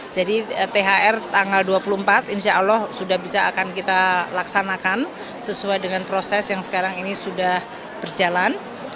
thr tanggal dua puluh empat insya allah sudah bisa akan kita laksanakan sesuai dengan proses yang sekarang ini sudah berjalan